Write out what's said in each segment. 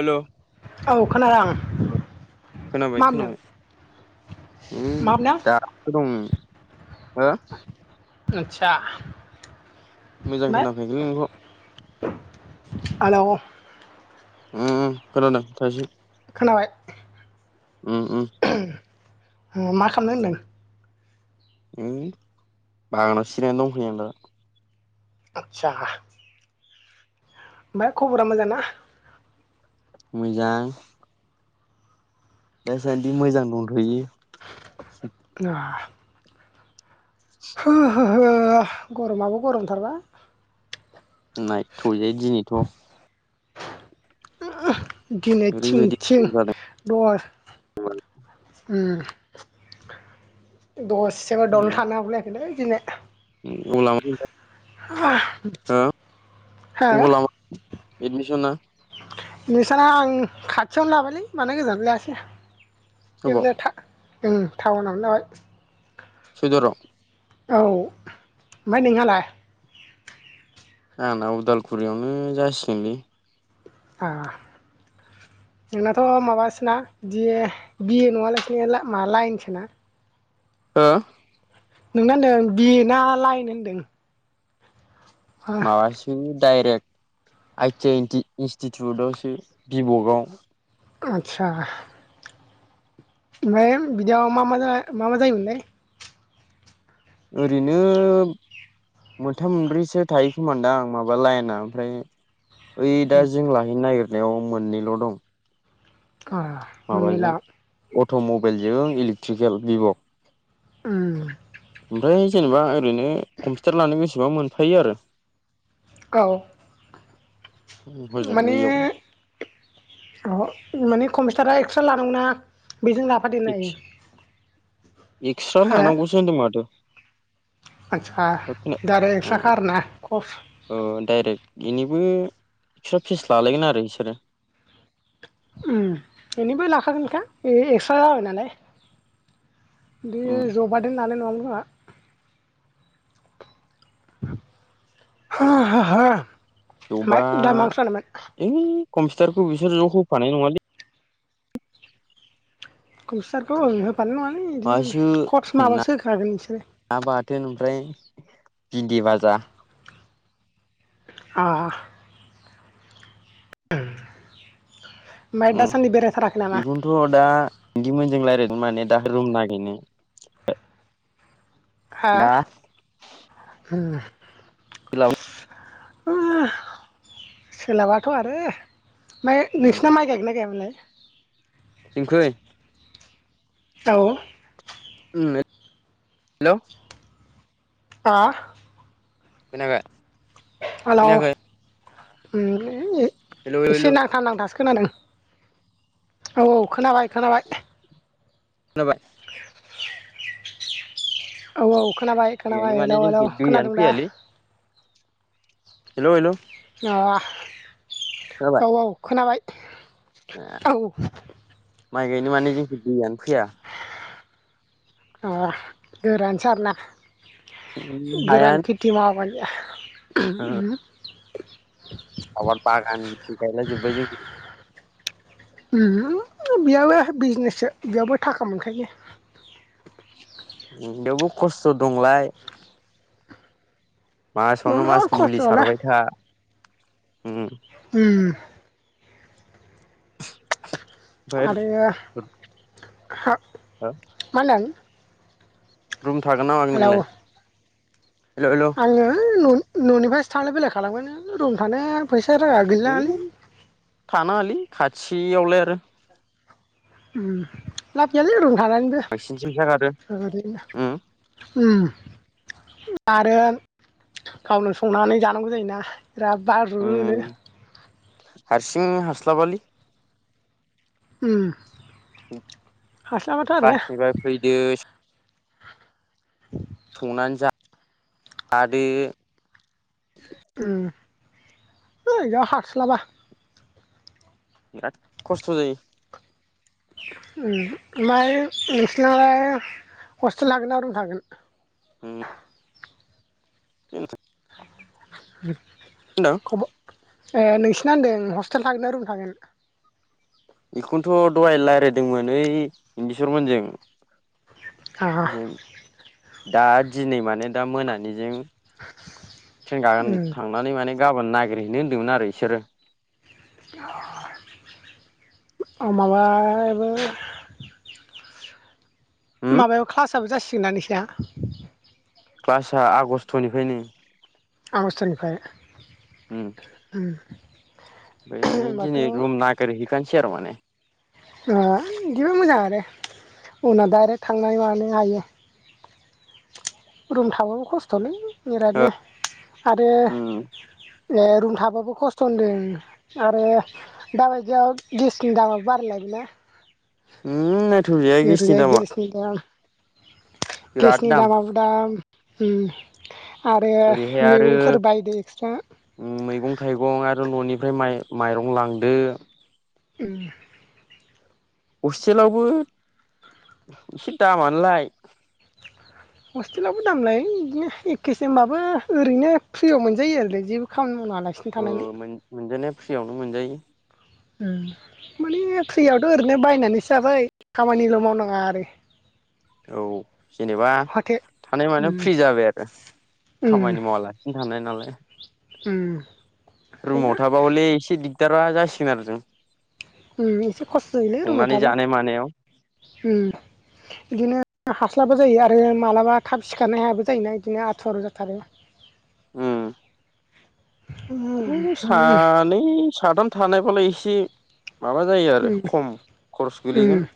Hello औ खोनादों आं खोनाबाय मा होनदों खोनाबाय मा होनदों है [inaudible] दं हो आटचा मोजां खोनाफैआखैलै नोंखौ हेलौ उम खोनादों [inaudible] खोनाबाय उम उम उम मा खालामदों होनदों हम बागानावसो जिरायनानै दंफैयो आं दा आतसा आमफाय खबरा मोजां ना? मोजां दासानदि मोजां दंथ'यो हो हो हो गरमाबो गरमथारब्रा नायथ'यै दिनैथ' [inaudible] दिनै थिं ओरैबायदि थिं गरम जादों दङो उम दसेबो दलद उम थानो हागुलायाखैलै दिनै [inaudible] [inaudible] हो अबाव हा लामा एडमिसना इडमिसना आं खाथिआवनो लाबायलै बांद्राय गोजानाव लायासै अबाव बेदिनो टा टाउनावनो ओ लाबाय सयदुवाराव औ आमफाय नोंहालाय आंना उदालगुरिआवनो जासिगोनलै आ नोंनाथ' माबासोना दि बिए नङालासिनो माबा लाइनसोना हो नोंना होनदों बि ए ना लायेन होनदों? माबासो डाइरेक्ट आइ टि आइ इनस्टिटिउटआवसो बि भकआव आचसा ओमफाय बिदियाव मा मा मा मा जायोमोनलाय? ओरैनो मोनथाम मोनब्रैसो थायोखोमानदां माबा लाइना ओमफ्राय ओइ दा जों लाहैनो नागिरनायाव मोननैल' दं। आ मोनिला अट' मबाइलजों इलेकट्रिकेल भिभ' उम ओमफ्राय जेनेबा ओरैनो कम्पिउटार लानो बेसेबां मोनफायो आरो। औ हजों माने बैयाव माने कमिस्नारा एक्सट्रा लानांगौ। बेजों लाफादेरनो हायो। एक्सट्रा हो लानांगौसो होनदों माथो। आदसा दारेक एक्स्राखा आरो ना कर्स डाइरेक्ट बेनिबो एक्सट्रा फिस लालायगोन आरो बिसोरो बिनिबो लाखागोनखा एक्स' जाबाय नालाय। द रबारेन लानाय नङा मोन खोमा। [inaudible] जबा दा मा ओंख्रि जानायमोन ओ कम्पिउटारखौ बिसोर ज' होफानाय नङालै कमपिटारखौ होफानाय नङाल बिदिनो माबासो कर्च माबासो होखागोन बिसोरो ना ओमफ्राय बिन्दि बाजा अ माइ दासान्दि बेरायथाराखै नामा? बिदिमोनजों रायज्लायनो माने दा रुम नागिरनो हा जों हा सोलाबाथ' आरो ओमफ्राय नोंसिनिया माइ गायदोंना गायाखै? [unintelligible] औ हेलौ हा खोनाबाय। हेलौ खोनायाखै हेल' हेल' एसे नांथा नांथासोगोन। खोनादों औ औ खोनाबाय खोनाबाय खोनाबाय औ औ खोनाबाय गायनो खोनाबाय। माने हेलौ हेलौ जोंखै दैयानो खोनादों दा? हेलौ हेलौ अ औ औ खोनाबाय औ माइ गायनो माने जोंखै दैयानो फैया। अ गोरान सारना गोरान हायानो खेथि मावामोन। [inaudible] आबाद बाग आ गायला जोबबाय बेयावाबो बिजनेससो बेयावबो थाखा मोनखायो। बेयावबो खस्थ' दंलाय। मासावनो बिराद मास मुलि खस्थ'लै सारबाय था ओमफ्राय ओ आरो मा होनो रुम थागोन नामागोन नोंलाय हेल' हेल' ओइ आङो न'निफ्रायसो थांलाय बेलाय खालामोन रुम थानाया फैसा सेर गागला थानाङालै खाथियावलाय आरो लाब गैयालि रुम बांसिनसो फैसा खारो थानानैबो आरो गावनो संनानै जानांगौ जायोना बिराद बारु रुनो उम हारसिं हास्लाबालै ओम क्लासनिफ्राय फैदो आरो [unintelligible] हास्लाबा आरो खस्थ' जायो ओमफ्राय नोंसोरनालाय हस्टेल थागोन न रुम थागोन उम [unintelligible] [inaudible] होनदों ए नोंसिना होनदों हस्टेल थागोन ना रुम थागोन बेखौनोथ' दहाय रायलायदोंमोन ओइ इदिसरमोनजों दा दिनै माने दा मोनानिजों ट्रेन आ थांनानै माने गाबोन नागिरहैनो होनदोंमोन आरो बिसोरो माबाबो उम माबायाव क्लासाबो जासिगोन ना नोंसिना क्लासआ आगस्टनिफ्रायनो आगष्तनिफ्राय ओम ओम ओमफाय माने दिनै रुम नागिरहैखानोसै आरो माने बिदिबो मोजां आरो उनाव डाइरेक्ट थांनानै माबानो हायो रुम थाबाबो खस्थ'लै बिरादनो आरो उम रुम थाबाबो खस्थ' होनदों आरो दाबायदियाव गेसनि दामा बाराय लायदोंना उम नायथावजाया गेसनि ओरैनो दामा गेसनि दाम बिराद दाम ओम आरो ओरैहाय आरो मैगंफोर बायदो एक्सट्रा मैगं थाइगं आरो न'निफ्राय माइ माइरं लांदो ओम हस्टेलावबो एसे दामानोलाय हस्टेलावबो दामलायोलै बिदिनो एखेसो होमबाबो ओरैनो फ्रियाव मोनजायो आरो जेबो खामानि मावालासिनो ओ थानानै मोनजानाया फ्रियावनो मोनजायो ओम माने फ्रियावथ' ओरैनो बायनानैसो जाबाय खामानिल' मावनाङा आरो [inaudible] औ जेनेबा हथे थानाय मानायाव उम फ्रि जाबाय आरो खामानि मावालासिनो थानाय नालाय ओम रुमाव थाबा हले एसे दिग्दारा जासिगोन आरो जों एसे खस्थ' जायोलै रुमाव संनानै थाबा जानाय मानायाव ओम बिदिनो हास्लाबा जायो आरो मालाबा थाब सिखारनो हायाबो जायोना बिदिनो आथुर जाथारो ओम उम उम सानै साथाम थानायबालाय एसे माबा जायो आरो उम खम खरस उम गोलैगोन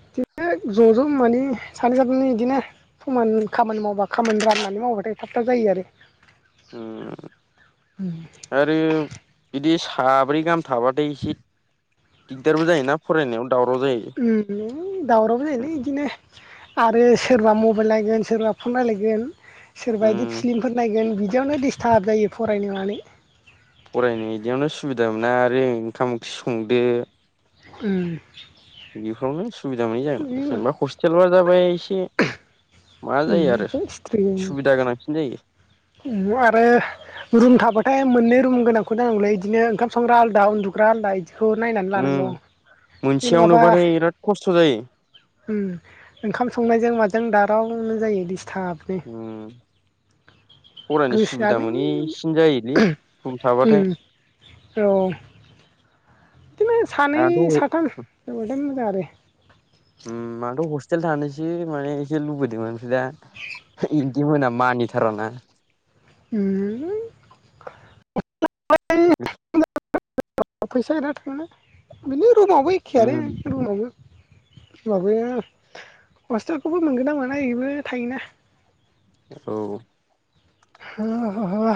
बिदिनो ज' ज' माने सानै साथामनि बिदिनो समान खामानि मावबा खामानि राननानै मावबाथाय थाब थाब जायो आरो ओम आरो बिदि साब्रै गाहाम थाबाथाय एसे दिगदारबो जायोना फरायनायाव दावराव जायो ओम दावरावबो जायोलै बिदिनो आरो सोरबा मबाइल नायगोन सोरबा फन नायलायगोन सोरबा बिदि उम फिलिमफोर नायगोन बिदि बियावनो दिडिस्टाब जायो फरायनाय मानाय फरायनाय बिदियावनो सुबिदा मोना आरो ओंखाम ओंख्रि संदो उम बेफोरावनो सुबिदा मोनै जागोन जेनेबा हस्टेला जाबाय एसे मा जायो आरो सुबिदा गोनांसिन जायो आरो रुम थाबाथाय मोननै रुम गोनांखौ जानांगौलै बिदिनो ओंखाम संग्रा आलादा उन्दुग्रा आलदा इदि बेखौ नायनानै उम लानांगौ बे मोनसेयावनोबाथाय बिराद खस्थ' जायो उम ओंखाम संनायजों माजों दावरावनो जायो डिस्टाबनो उम फरायनो सुबिदा मोनैसिन जायोलै रुम थाबाथाय औ बिदिनो सानै आंथ' साथाम [unintelligible] आरो हसटेल थानोसो माने एसे लुुबैदोंमोन ओमफाय दा इगडि मोना मानिथाराना उम अ फैसा बिराज थाङो ना बिनो रुमावबो एखे आरो उम रुमावबो मावबो हसटेलखौबो मोनगोन ना मोना बेबो थायोना औ ह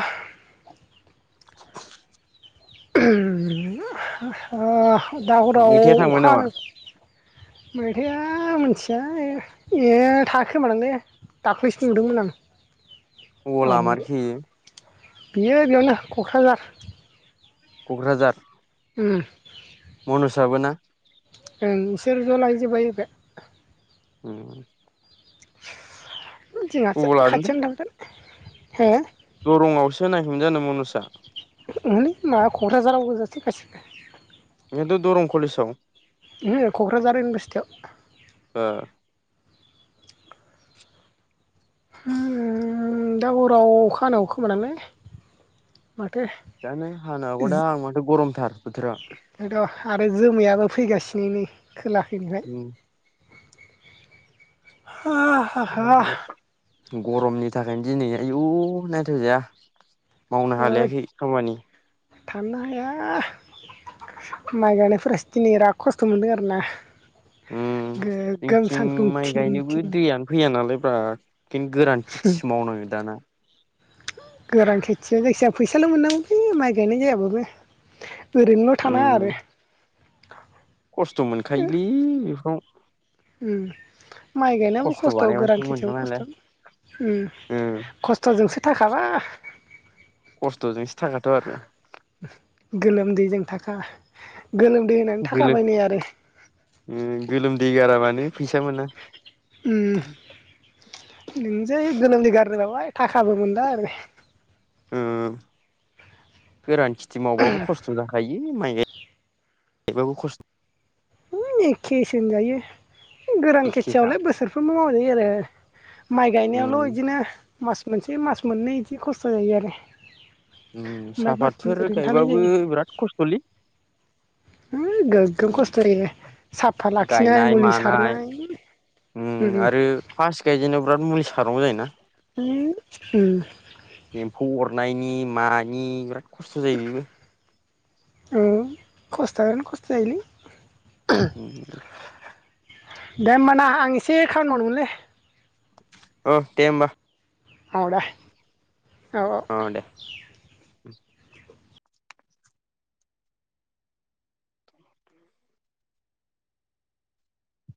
ह ओ दा हराव मैथाया थांबाय अखा नामा हानो मैथाया मिथिया ए थाङाखै खोमादांलै दाख्लैसो नुदोंमोन आं गला‌ आमै मारलै‌ इयो बियो बेयावनो क'क्राझार क'क्राझार उम मनुसाबो ना ओं बिसोर ज' लायजोब्बाय बे औ जोंहासो लादों खाथियावनो थांगोन हो दरंआवसो होनाखैमोन जानो मनुसा उस माबा क'क्राझाराव गोजासो गासिबो बेहाथ' दरं कलेजाव क'क्राझार इउनिभारसिटियाव ओ दा हराव अखा हागौ खोमा दांलै जानो हानो हागौ दां माथो गरमथार बोथोरा बेथ' आरो जोमायाबो फैगासिनोनो खोलाखैहाय उम हा हा गरमनि थाखायनो दिनै आयु नायथावजाया मावनो हालायाखै खामानि थांनो हाया माइ गायनायफोरासो दिनै बिराद खस्थ' मोनदों आरोना उ जों थिं माइ थिं गायनोबो थिं दैयानो फैया नालाय ब्रा गोरान खेथिसो मावनाङो दाना गोरान खेथिया जायखिजाया फैसाल' मोननांगौलै माइ गायनाय जायाबाबो ओरैनोल' उम थानाङा आरो खस्थ' मोनखायोलै बेफोराव उम माइ गायनायाबो खस्थ' बानायबासो गोरान मोनगोन खेथियाबो नालाय खस्थ' उम ओ खस्थ'जोंसो थाखाबा खस्थ जों गोलोमदैजों थाखा गोलोमदै होनानै थाखाबाय नै आरो गोलोम गोलोमदै गाराबानो फैसा मोना उम नों जे जोनोमनि गारदों लाबाय थाखाबो मोनला आरो उम गोरान खेथि मावबाबो खस्थ' जाखायो। माइ गाय गायबाबो खस्थ' [unintelligible] एखेस होनजायो गोरान एखेखा खेथियावलाय बोसोरफ्रोमबो मावजायो आरो माइ उम गायनायावल' बिदिनो मास मोनसे मास मोननै बिदि खस्थ' जायो आरो उम ओमफ्राय बाखि साहापातफोर ओरैनो थानाय गायबाबो जायो बिराद खस्थ'लै उम गोग्गो खस्थ जायो। साफा लाखिनाय गायनाय मुलि मानाय सारनाय आरो उम फास्ट गायजेनाव बिराद मुलि सारनांगौ जायो ना उम नायनि मानि बिराद खस्थ' जायो बेबो औ खस्थ [unintelligible] खस्थनि [unintelligible] दे होमबाना आं एसे खामानि मावोमोनलै औ दे होमबा औ दे औ औ अ दे